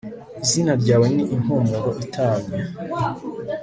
izina ryawe ni impumuro itamye